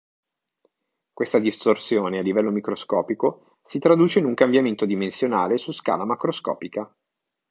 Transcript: Questa distorsione a livello microscopico si traduce in un cambiamento dimensionale su scala macroscopica.